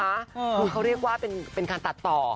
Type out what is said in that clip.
คือเขาเรียกว่าเป็นการตัดต่อ